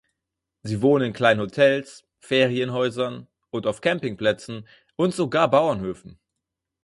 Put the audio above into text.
Sie wohnen in kleinen Hotels, Ferienhäusern und auf Campingplätzen und sogar Bauernhöfen.